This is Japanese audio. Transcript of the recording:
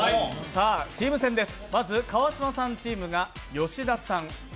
チーム戦です。